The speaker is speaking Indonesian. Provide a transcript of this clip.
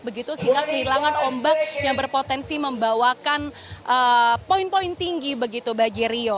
begitu sehingga kehilangan ombak yang berpotensi membawakan poin poin tinggi begitu bagi rio